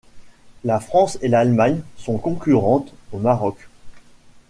La France et l'Allemagne sont concurrentes au Maroc.